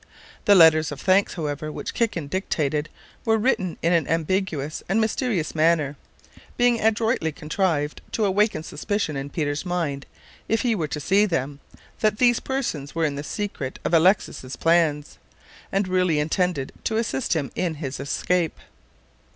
The letters of thanks, however, which Kikin dictated were written in an ambiguous and mysterious manner, being adroitly contrived to awaken suspicion in Peter's mind, if he were to see them, that these persons were in the secret of Alexis's plans, and really intended to assist him in his escape.